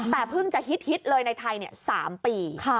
แต่เพิ่งจะฮิตเลยในไทย๓ปี